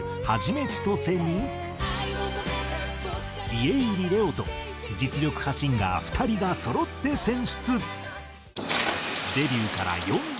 家入レオと実力派シンガー２人がそろって選出。